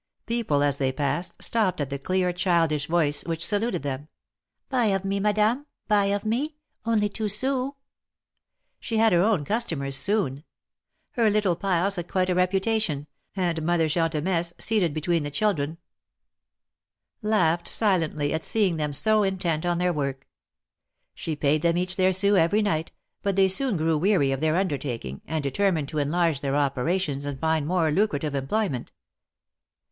People, as they passed, stopped at the clear, childish voice, which saluted them :" Buy of me, Madame, buy of me ; only two sous." She had her own customers soon. Her little piles had quite a reputation, and Mother Chantemesse, seated between the children, laughed silently at seeing them so intent on their work. She paid them each their sou every night, but they soon grew weary of their undertaking. THE MARKETS OF PARIS. 187 and determined to enlarge their operations and find more lucrative employment.